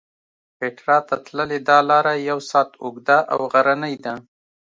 پېټرا ته تللې دا لاره یو ساعت اوږده او غرنۍ ده.